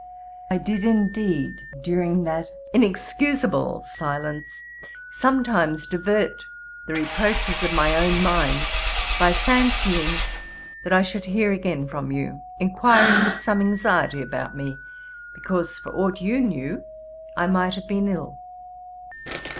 I did, indeed, during that inexcusable silence, sometimes divert the reproaches of my own mind, by fancying that I should hear again from you, inquiring with some anxiety about me, because, for aught you knew, I might have been ill.